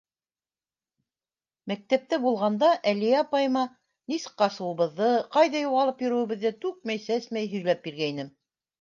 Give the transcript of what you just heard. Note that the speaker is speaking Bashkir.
Мәктәптә булғанда Әлиә апайыма нисек ҡасыуыбыҙҙы, ҡайҙа юғалып йөрөүебеҙҙе түкмәй-сәсмәй һөйләп биргәйнем.